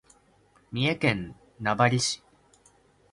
三重県名張市